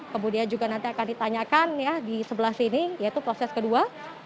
kemudian juga nanti akan ditanyakan ya di sebelah sini yaitu proses kedua